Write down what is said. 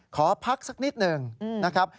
ขอพักสักนิดหนึ่งนะครับ